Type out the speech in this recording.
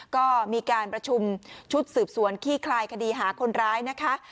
ก็มีการประชุมชุดสืบสวนขี้คลายคดีหาคนร้ายนะคะ